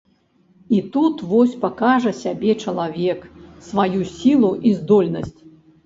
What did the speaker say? І тут вось пакажа сябе чалавек, сваю сілу і здольнасць.